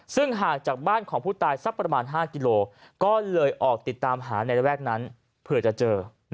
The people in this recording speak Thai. ซึ่งห่างจากบ้านของผู้ตายสักประมาณ๕กิโลก็เลยออกติดตามหาในระแวกนั้นเผื่อจะเจอ